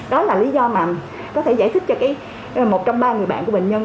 đó là lý do mà có thể giải thích cho một trong ba người bạn của bệnh nhân